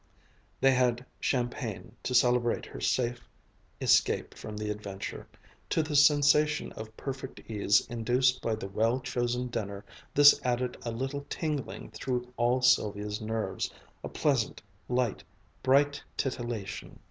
They had champagne to celebrate her safe escape from the adventure. To the sensation of perfect ease induced by the well chosen dinner this added a little tingling through all Sylvia's nerves, a pleasant, light, bright titillation.